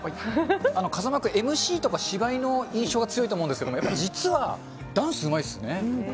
風間君、ＭＣとか芝居の印象が強いと思うんですけど、やっぱり実はダンスうまいっすね。